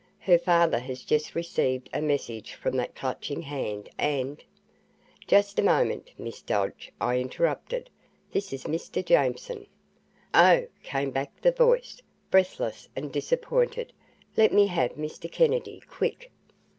Her father has just received a message from that Clutching Hand and " "Just a moment, Miss Dodge," I interrupted. "This is Mr. Jameson." "Oh!" came back the voice, breathless and disappointed. "Let me have Mr. Kennedy quick."